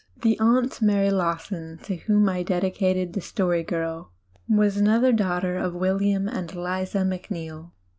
The "Aunt Mary Lawson," to whom I dedicated The Story Girl, was another daughter of William and Eliza Mac neill.